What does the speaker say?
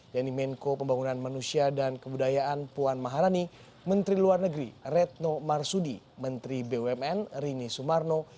yaitu menko pembangunan manusia dan kebudayaan puan maharani menteri luar negeri retno marsudi menteri bumn rini sumarno